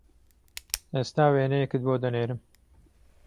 ئێستا وێنەیەکت بۆ دەنێرم